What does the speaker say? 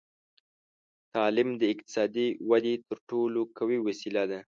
تعلیم د اقتصادي ودې تر ټولو قوي وسیله ده.